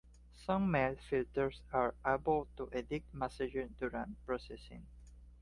Some mail filters are able to edit messages during processing.